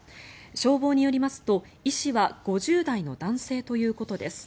消防によりますと、医師は５０代の男性ということです。